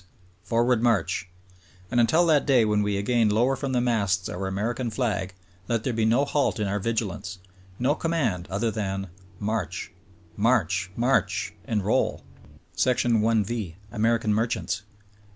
! For ward march ! And until that day when we again lower from the masts our American flag, let there be no halt in our vigilance — no command other than: Afarch — march — march ! Enroll ! IV. American Merchants.